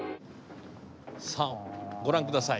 さあご覧下さい。